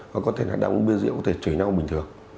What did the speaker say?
và có thể là đọng bia rượu có thể chởi nhau bình thường